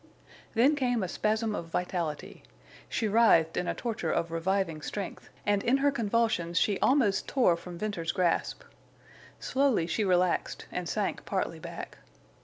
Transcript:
Then came a spasm of vitality. She writhed in a torture of reviving strength, and in her convulsions she almost tore from Ventner's grasp. Slowly she relaxed and sank partly back.